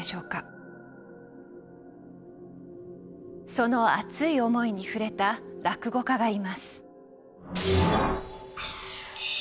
その熱い思いに触れた落語家がいます。